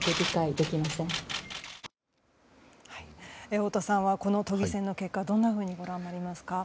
太田さんはこの都議選の結果をどんなふうにご覧になりますか？